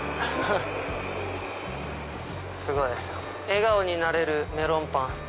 すごい！「笑顔になれるメロンパン」。